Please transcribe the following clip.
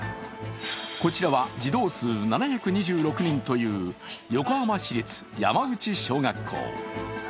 こちらは児童数７２６人という横浜市立山内小学校。